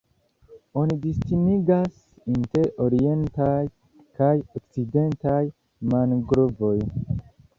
Oni distingas inter Orientaj kaj Okcidentaj mangrovoj.